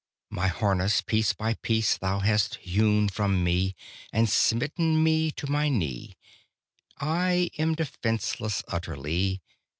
My harness piece by piece Thou hast hewn from me, And smitten me to my knee; I am defenceless utterly.